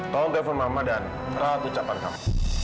tolong telepon mama dan rata ucapan kamu